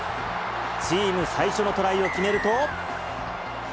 チーム最初のトライを決めると。